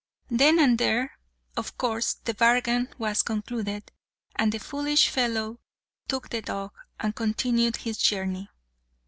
Then and there, of course, the bargain was concluded, and the foolish fellow took the dog, and continued his journey.